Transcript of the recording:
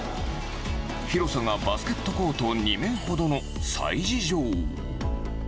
広さがバスケットコート２面ほどの催事場。